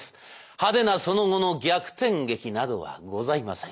派手なその後の逆転劇などはございません。